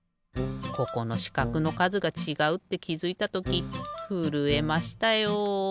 ここのしかくのかずがちがうってきづいたときふるえましたよ。